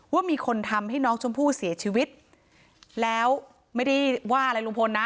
ว่ามีคนทำให้น้องชมพู่เสียชีวิตแล้วไม่ได้ว่าอะไรลุงพลนะ